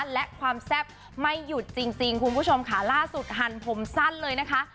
และความแซ่บไม่หยุดจริงคุณผู้ชมค่ะล่าสุดหันผมสั้นเลยนะคะ